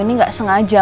ini gak sengaja